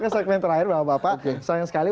ke segmen terakhir bapak bapak sayang sekali